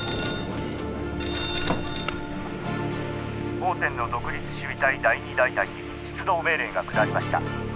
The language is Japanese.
☎☎奉天の独立守備隊第２大隊に出動命令が下りました。